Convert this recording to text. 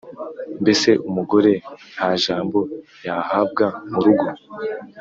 mbese, umugore nta jambo yahabwaga mu rugo.